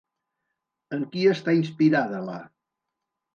En qui està inspirada la?